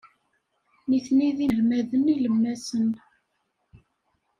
Nitni d inelmaden ilemmasen.